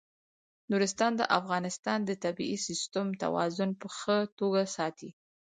نورستان د افغانستان د طبعي سیسټم توازن په ښه توګه ساتي.